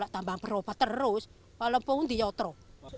tambah beropat terus walaupun dia otro